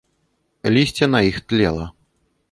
Лісце на іх тлела.